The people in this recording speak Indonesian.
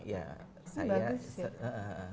ini bagus sih